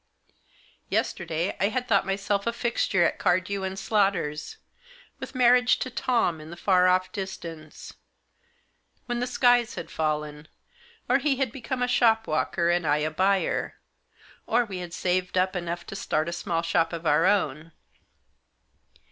Yesterday I had thought myself a fixture at Cardew & Slaughter's ; with marriage with Tom in the far off distance ; when the skies had fallen ; or he had become a shopwalker and I a buyer ; or we had saved up enough to start a small shop of our own.